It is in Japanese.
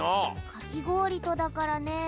かきごおりとだからね。